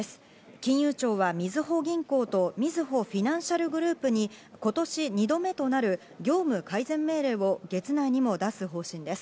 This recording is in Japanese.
金融庁はみずほ銀行とみずほフィナンシャルグループに今年２度目となる業務改善命令を月内にも出す方針です。